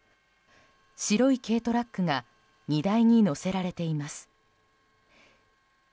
白い軽トラックが荷台に載せられています。